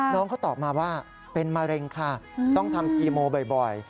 น้องเขาตอบมาว่าเป็นมะเร็งค่ะต้องทำคีโมบ่อย